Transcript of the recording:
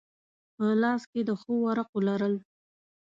په لاس کې د ښو ورقو لرل.